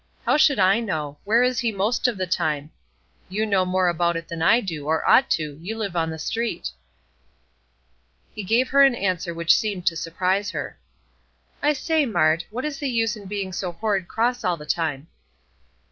"How should I know? Where he is most of the time; you know more about it than I do, or ought to; you live on the street." He gave her an answer which seemed to surprise her: "I say, Mart, what is the use in being so horrid cross all the time?"